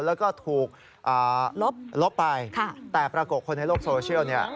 แล้วก็ถูกลบไปแต่ปรากฏคนในโลกโซเชียลเนี่ย